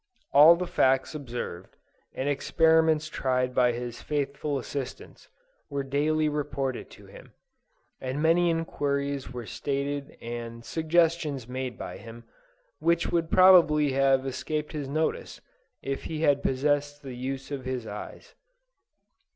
All the facts observed, and experiments tried by his faithful assistants, were daily reported to him, and many inquiries were stated and suggestions made by him, which would probably have escaped his notice, if he had possessed the use of his eyes.